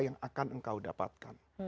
yang akan engkau dapatkan